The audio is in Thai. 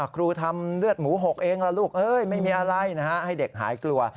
ครูทำเลือดหมูหกเองล่ะลูกไม่มีอะไรให้เด็กหายกลัว